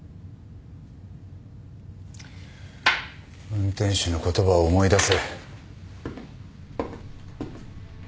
運転手の言葉を思い出せ。